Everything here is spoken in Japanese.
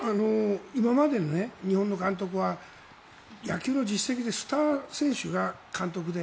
今まで日本の監督は野球の実績でスター選手が監督で。